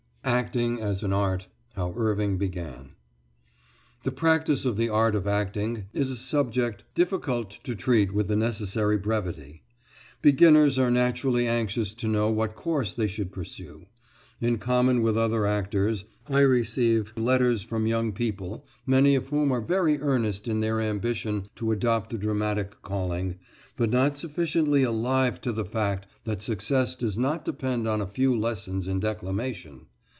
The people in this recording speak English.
ACTING AS AN ART. HOW IRVING BEGAN The practice of the art of acting is a subject difficult to treat with the necessary brevity. Beginners are naturally anxious to know what course they should pursue. In common with other actors, I receive letters from young people many of whom are very earnest in their ambition to adopt the dramatic calling, but not sufficiently alive to the fact that success does not depend on a few lessons in declamation.